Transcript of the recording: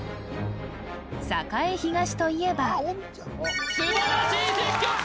栄東といえば素晴らしい積極性！